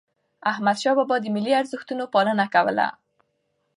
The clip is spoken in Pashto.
احمد شاه بابا د ملي ارزښتونو پالنه کوله.